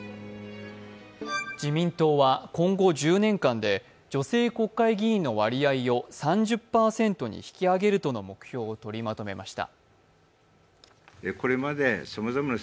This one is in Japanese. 自民党は今後１０年間で女性国会議員の割合を３０％に引き上げるとの目標を取りまとめました。